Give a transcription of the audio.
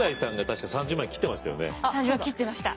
３０万切ってました。